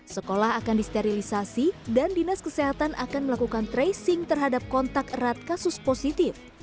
sekolah akan disterilisasi dan dinas kesehatan akan melakukan tracing terhadap kontak erat kasus positif